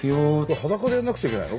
裸でやんなくちゃいけないの？